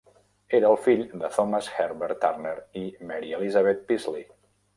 Era el fill de Thomas Herbert Turner i Mary Elizabeth Peasley.